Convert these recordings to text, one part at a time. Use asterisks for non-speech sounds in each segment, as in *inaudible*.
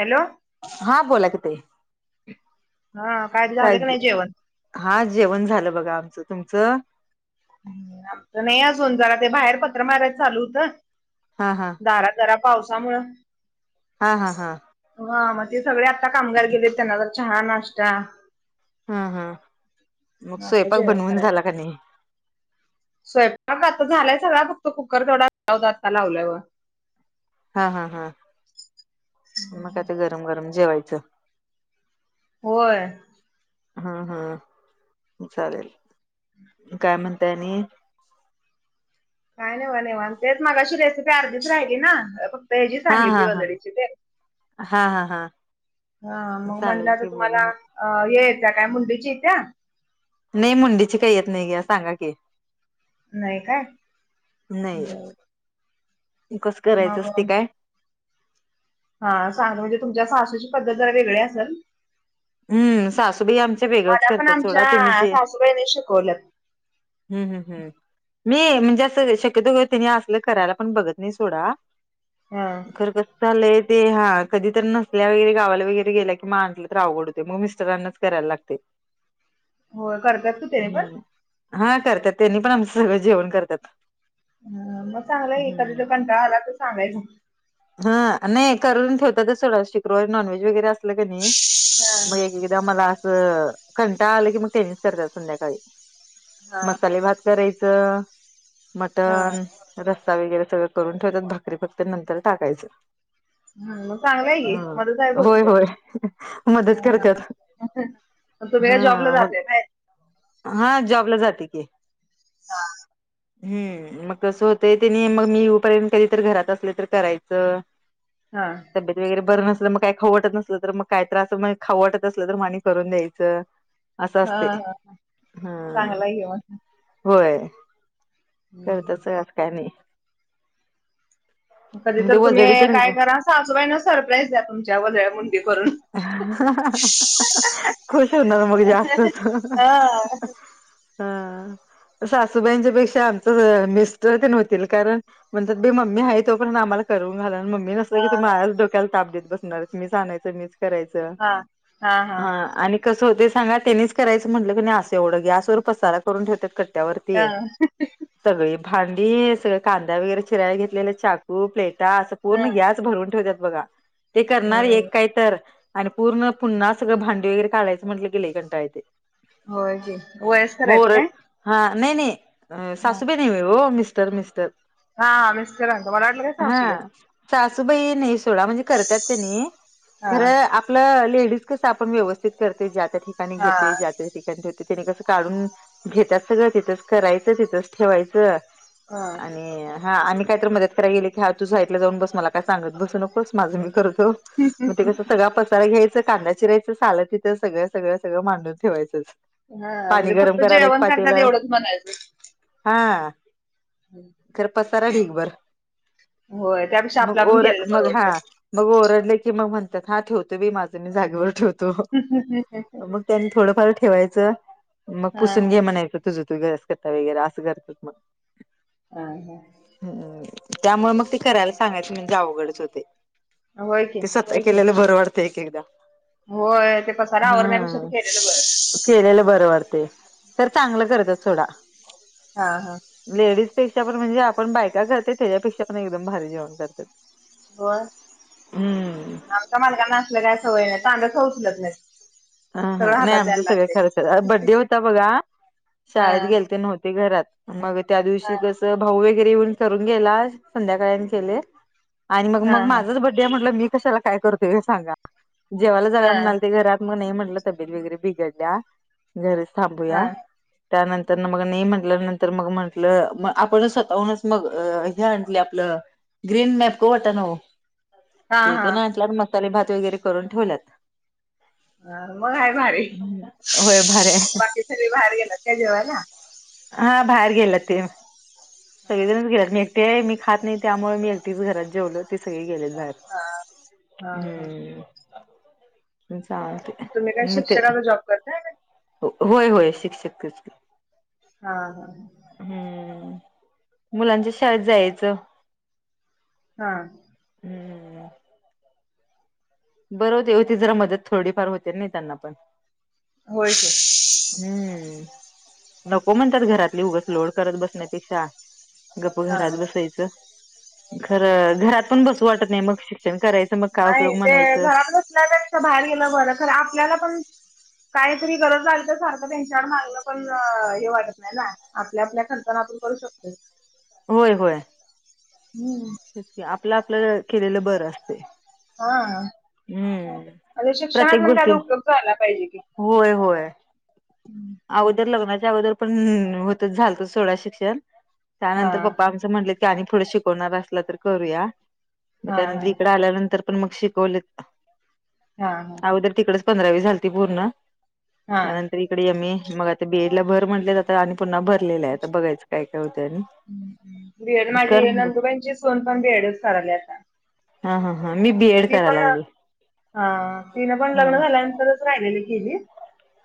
Hello हा बोला की ताई हा काय ते झालं की नाही जेवण? हा जेवण झालं बघा तुमचं. आमच नाही असून जरा ते बाहेर पत्र मारा च चालू होतं. हा हा! दारात जरा पावसामुळं हा हा हा! ह मग ते सगळे आता कामगार गेले त्यांना तर चहा नाष्टा. हम हम, मग आता स्वयंपाक जेवण बनवून करायचं झाला का नाही? स्वयंपाक आता झालाय सगळा फक्त कुकर तेवढा लाव आता लावलाय बघा. हा हा हा मग आ ते गरम गरम जेवायचं. होय. हं हं चालेल काय म्हणतायनी? काय नाही बा नीवांत तेच मग अशी रेसिपी अर्धीच राहिली ना. हजी हा सांगितली हा हा वदळीची ते. हा हा हा हा मग चालेल म्हणलं तर की बोला तुम्हाला मग या येत्या काय मुंडेची येत्या. नाही मुंडीची काही यत नाही घ्या सांगा की. नाही काय नाही येत कसं करायचं मग असते काय. हा सांगत म्हणजे तुमच्या सासूची पद्धत जरा वेगळे असेल. हम्म सासूबाई आमच वेगळंच मला पण करते सोडा आमच्या तुम्ही जे सासूबाईने शिकवल्यात. हम् हम् हम्! मी म्हणजे असं शक्यतो ति असलं करायला पण बघत नाही सोडा. हा! तर कसं झालंय ते हा कधी तर नसल्या वगैरे गावाला वगैरे गेल्या कि म आणलं तर अवघड ते मग मिस्टरांनाच करायला लागते. हो करकात क ते पण. हम्म. हा करतात त्यांनी पण आमचं सगळं जेवण करतात. ह मग चांगलं आहे की कधी हम्म. तर कंटाळा आला की मग सांगायचं. ह नाही करून ठेवतातच सोडा शुक्रवारी नॉनव्हेज वगैरे अस असल कनी हा मग एकदा मला. अ कंटाळा आला की मग त्यांनीच करतात संध्याकाळी हा मसाले भात. करायचं हा मटण रसा वगैरे सगळं करून ठेवतात भाकरी भक्त नंतर. टाकायचं. हा, मग चांगलं आहे की ह मदत आहे होय भरपूर. होय मदत करतत. तो बेगा जॉबला जाते काय. हा जॉब ला जाते की. हा. हम् मग कसं होतंय त्यांनी मग मी येऊपर्यंत कधी तर घरात असले तर करायचं. तर हा. तब्येत वगैरे बरं नसलं मग काय खाऊ नसलं तर मग काय त्रास खाऊ वाटत असलं तर मा आणि करून द्यायचं. असं हा असते हा हम्म. चांगला आहे की मग. होय हम्म, हम्म. करतच का नाही. कधी म्हणजे तर तुम्ही वजडी तेन काय करा सजूबाई ना सरप्राईज द्या तुमच्या वजळ्या मुंडी करून. *unintelligible* खुश होणार मग जास्तच. हा हा सासूबाईंच्या पेक्षा आमच मिस्टर तेन होतील कारण म्हणतात बी मम्मी हाय तो पर्यंत आम्हाला करून घालायला मम्मी नसतं हा की तु माझ्याच डोक् - क्याला ताप देत बसणार मीस आणायच मी च करायचं हा ह हा आणि कसं होते सांगा त्यांनीच करायचं म्हटलं की नाही असं एवढं गॅसवर पसारा करून ठेव त्यात क - ट्या हा वरती हा सगळी भांडी सगळ कांदा वगैरे चिराय घेतलेल चाकू. - कू प्लेटा असं हा. पूर्ण गॅस भरून ठेवतात बघा ते करणार हम्म एक काय तर आणि पूर्ण पुन्हा सगळं भांडी वगैरे काढायचं म्हटलं की लई कंटाळ येतय. होय की वयस्कर आहेत काय? हा नाही नाही सासू बई नाही होय हो मिस्टर मिस्टर. हा मिस्टरांच मला वाटल काय हा सासूबाईंचं. सासूबाई नाही सोडा म्हणजे करत्यात तेनी हा. खरं. आपलं लेडीज कस आपण व्यवस्थित करते ज्या त्या ठिकाणी हा. घेते ज्या त्या ठिक त्यांनी तिथ कसं काढून घेत्यात सगळं तिथच करायचं तिथच ठेवायचं हा. आणि हा आम्ही काय तर मदत कराय गेल की ह तु साईडला जाऊन बस. मला काय सांगत बसू नकोस. माझ मी करतो. हम् हम मग ते ह् कसं सगळा पसारा घ्यायच कांदा चिरायचं साल तिथ सगळं सगळं सगळं मांडून ठेवायचच. हा म्हणजे फक्त जेवण करतात एवढंच म्हणायचं. हा. खर पसारा ढीगभर होय त्यापेक्षा मग आपलं आपण ओर केलेलं मग हा परवडतंय. मग ओरडल की मग म्हणतात हा ठेवतो बई माझं मी जागेवर ठेवतो. मग त्यांनी थोडंफार ठेवायचं मग हा पुसून हा. घे म्हणायच. तुझं तू गॅस कट्टा वगैरे असं करतात मग हा हा. हम्म त्यामुळ मग ते करायला सांगायच म्हणजे अवघडच होतय. होय की. व्हय केेलेल बर वाडतय एक -एकदा. होय ते पसारा आवरण्यापेक्षा ते हा केलेलं बरं. केलेलं बरं वाटतंय. खरं चांगलं करतात सोडा. हा हा. लेडीजपेक्षा पण म्हणजे आपण बायका करतय त्याच्यापेक्षा पण एकदम भारी जेवण करत्यात. होय आमच्या मालकांना असलं काय सवय नाही तांब्या सुद्धा उचलत नाही. ह हा नाही आमचं सगळ खरंच बड्डे होता बघा हा शाळेत गेल ते नव्हते घरात. मग त्या हा दिवशी कसं भाऊ वगैरे येऊन ठरून गेला संध्याकाळ आणि केले. आणि मग हा मग माझंच बड्डे म्हटलं मी कशाला काय करतो काय सांगा जेवायला हा जाऊया म्हणाल ते घरात. मग नाही म्हंटलं तब्येत वगैरे बिघडल्या घरीच हा थांबूया. त्यानंतर न मग नई म्हटल्यानंतर मग म्हंटलं मग आपण स्वतःहूनच मग हे आणले आपलं ग्रीन मॅपको वटाणं न ओ हा ते हा. तेन असल्यावर मसाले भात वगैरे करून ठेवल्यात. अ मग आहे भारी होय भारी आहे बाकी सगळे बाहेर गेल्यात काय जेवायला. हा बाहेर गेल्यात ते हा. सगळेजणच गेल्यात मी एक ते मी खात नाही त्यामुळे मी एकटीच घरात जेवलो ते सगळी गेलेली. जायाचं. हा हा हा हम्म. तुम्ही काय चालतंय मग ते शिक्षकाचा जॉब करताय काय? होय होय शिक्षकच की. हा हां. हम्मं मुलांच्या शाळेंत जायचं हां हम्मं बरोबरं होती जरां मंदत थोडीफांर होते नाहीं त्यांनां पणं होयंच हम्मं नको म्हणतांत घरांतली उगांस लोंड करतं बसण्यांपेक्षा गप्प हा घरांत बसायचं खरं घरांत पणं बसूं वाटतं नाहीं मंग नाहीं ते घरांत बसल्यां पेक्षा बाहेर गेलं बरं खरं आपल्यांला पणं कांहीं तरी गरंज झाली तरं सारखं त्यांच्याकडे मागलं पणं हे वाटतं नाहीं नां आपल्यां आपल्यां खर्चाना आपणं करूं शकतो होयं होयं हम्मं आपलं आपल्यांला केलेलं बरं असतें हां म्ह शिक्षणांत पणं कायं उपयोग झांला पाहिजे की होयं होयं हम्मं अगोदरं लग्नांच्या अगोदरं पणं होतंच झालतंच सोंडा शिक्षणं हा त्यांनंतर पप्पा आम म्हटलं की पुढं शिकवणांर असलां तरं करूंयाग हा त्यांनंतर हा इकडं आल्यानंतर पणं मंग शिकवले हा हा अगोदरं तिकडे चं पंधरावी झालती पूर्ण हा. त्यांनंतर इकडे मी मंग आंता बीएड लां भरं म्हटले जांत आणि पुन्हां भरलेलं आहेता बघायचं कायं कायं होतं बीएड मांझी नंदुबाईची सूंन पणं बीएडच करांयली आंता हां हां हां मी बीएड करायं लागली हां तिनं पणं हा लग्नं झाल्यानंतरचं राहिलेल्या गेली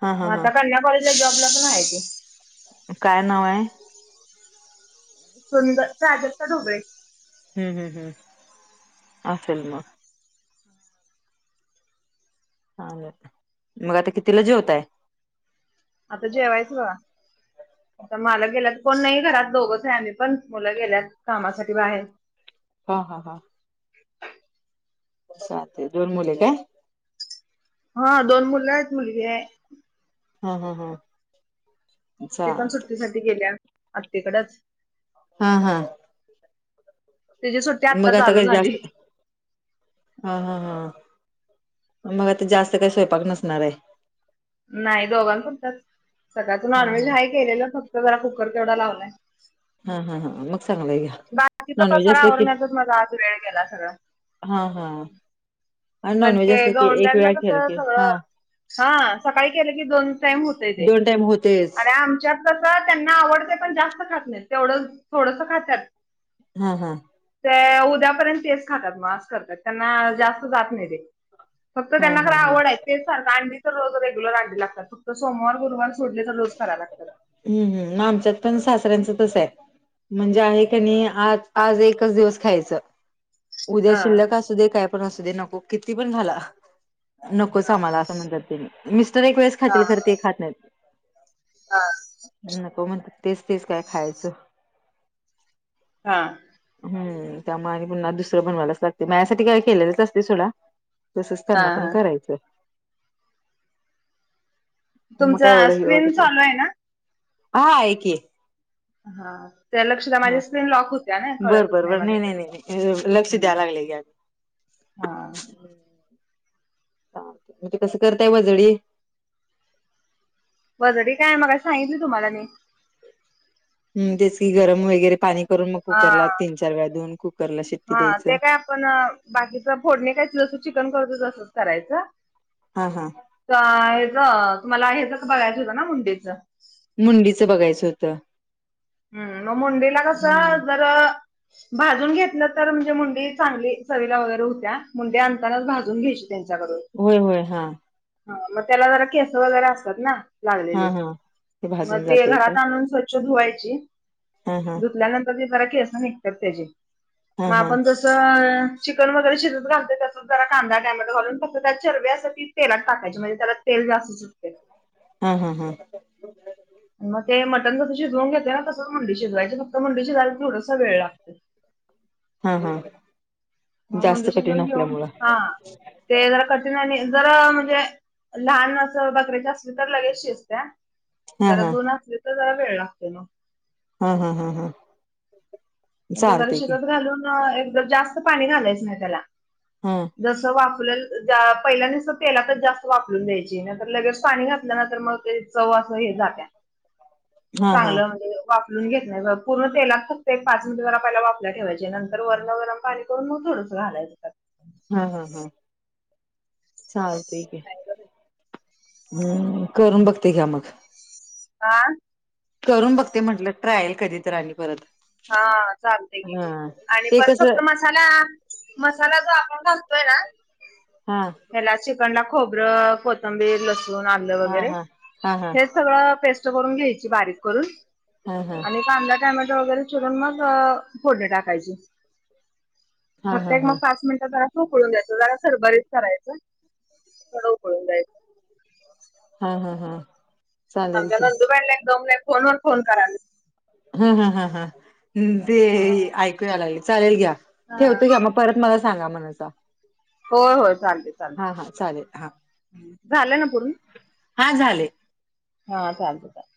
हा हा हा आंता कन्या कॉलेजला जॉबला पणं माहिती कायं नांव आहे सुंदर राजक्तां ढोबळे हम्मं हम्मं हम्मं असेल मंग हां नाहीं मंग आंता कितीला जेवतांय आंता जेवायचं तरं मलां गेल्यां तरं कोणं नाहीं घरांत दोघंच आहे आम्हीं पणं मुलं गेल्यांत कामांसाठी बाहेर हं हं हं चालतें दोन मुली कायं हां दोन मुलं आहेतं एक मुलंगी आहेतं हं हं हं ते पणं सुट्टीसांठी गेलेत आत्तेकडचं हां हां तिची सुट्टी आत्ता मंग आंता चालू कसं झाली. जास्तं हां हां हां मंग आंता कायं जास्तं कांहीं स्वयंपाक नसणांर आहे नाहीं दोघां फणंत सगळ्यांच हा नॉनव्हेज हा हां केलेलं फक्तं जरां कुकर तेवढां लावलांय हं हं हं मंग सांगल यां बाकीचां पसांरा आवरण्यांतच मांझा आंज वेळं गेलां सगळां हां हां पण नॉनवेज ते असलं की एक वेळांखेल की हां हां सकाळीं केलं की दोन टाईम होतंय ते दोन टाइम होतेच आणि आमच्यांत कसं त्यांनां आवडतंय पणं जास्तं खातं नाहीं तेवढं थोडंसं खातांत हा हा ते उद्यापर्यंत तेच खातात म असं करतात त्यांना जास्त जात नाही ते फक्त हा त्यांना खर हा हा आवड आहे तेच अंडी तर रोज रेगुलर अंडी लागतात फक्त सोमवार गुरुवार सोङले तर रोज कराय लागतात हम्म हम आमच्यात पण सासऱ्यांचं तस आहे म्हणजे आहे कनी आज आज एकच दिवस खायचं उद्या हा शिल्लक असू दे काय पण असू दे नको किती पण घाला नकोच आम्हाला असं म्हणतात ते मिस्टर एक वेळेस हा खातील खर ते खात नाहीत हा नको म्हणत्यात तेच तेच काय खायचं हा हम् त्यामुळे आणि पुन्हा दुसरं बनवायलाच लागते माझ्यासाठी काय केलेलंच असतय सोडा तसच हा त्यांना पण हा करायचं. मग काय तुमचा एवढं हे स्क्रीन वाटत नाही चालू आहे ना? हा आहे की हा त्या लक्ष दया हा माझ्या स्क्रीन लॉक हो बरं बरं बरं नाही नाही नाही लक्ष द्यायला लागळे घ्या हां मग ते कसं करताय वजडी वजडी काय मगांशी सांगितली की तुम्हाला मी हम् तेच की गरम वगैरे पाणी करून मग हा कुकरला तीन चार वेळा देुऊन कुकरला शिट्टी द्यायचं पण बाकीचं फोडणी काय जसं चिकन करतो तसंच करायचं हा हा हेच मला हेच बघायचं होतं ना मुंडीचं मुंडीचं बघायचं होतं हम् मग मुंडीला हम्म, कसं जर भाजून घेतलं तर म्हणजे मुंडी चांगली चवीला वगैरे होत्या मुंडी आणतानाच भाजून घ्यायची त्यांच्याकडून होय होय हा ह मग त्याला जरा केस वगैरे असतात ना हा लागलेली हा ते मग भाजून ते जाते काय घरात आणून स्व छ धुवायची हा हा धुतल्यानंतर ते जरा केस निघत्यात त्याची हा मग हा आपण जस चिकन वगैरे शिजत घालतोय तस जरा कांदा टामॅटो घालून फक्त त्यात चरबी असत्या ती तेलात टाकायची म्हणजे त्याला तेल जास्त सुुटतय हा हा हा आणि मग ते मटन कसं शिजवून घेतोय ना तसच मुंडी शिजवायची फक्त मुंडी शिजायला थोडासा वेळ लागतोय हा हा मुंडी जास्त कठीण शिजून घेऊन असल्यामुळं हा ते जरा कठीण आहे आणि जरा म्हणजे लहान असं बकऱ्याच असली तर लगेच शिजतय हा जरा हा जून असली तर जरा वेळ लागतोय म हा हा हा हा मग ते जरा चालते की शिजत घालून एकदम जास्त पाणी घालायचं नाही त्याला हा जसं वाफल्या पहिल्या नुसंत तेलातच जास्त वाफलून द्यायची नाहींतर लगेच पाणी घातल्या नंतर मग चव असं हे जात्या हा हा चांगलं म्हणजे वाफलून घेत नाही पूर्ण तेलात फक्त पाच मिनिटं जरा पहिला वाफेला ठेवायची नंतर वरणं गरम पाणी करून मग थोडंसं घालायचं जरा हा हा हा चालतय की काय ग बाई. हम्म करून बघते घ्या मग आं करून बघते म्हंटलं ट्रायल कधी तर आणि परत. हा चालतंय की हा आणि ते परत फक्त कसं म मसाला मसाला जो आपण घालतोय ना हा. त्याला चिकनला खोबरं कोथंबीर लसूण आलं हा वगैरे हा हा हा हेच सगळ पेस्ट करून घ्यायची बारीक करून हा हा आणि कांदा टमॅट वगैरे चुरून मग फोडणी टाकायची हा फक्त हा मग हा एक पाच मिनट उकळून द्यायचं जरा सरबरीच करायच थोडं उकळून द्यायचं. हा हा हा. चालेल आमच्या की नंदूबाईना एक दम नाय फोन वर फोन कराय हा हा हा हा हा ते हा ऐकू या लागलय चालेल घ्या ठेवतो घ्या मग. परत मला सांगा म्हणाल तवा. हो होय चालतंय. हा हा चालेल हा. झालंय ना पुरून? हा झालंय. हा चालतय चालतय.